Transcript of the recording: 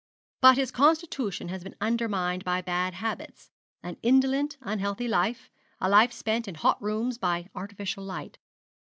But his constitution has been undermined by bad habits an indolent unhealthy life a life spent in hot rooms, by artificial light.